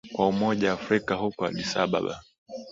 kwa umoja afrika huko addis ababa